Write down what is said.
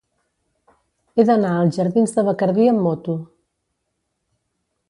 He d'anar als jardins de Bacardí amb moto.